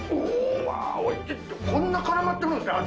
こんな絡まって来るんですね味！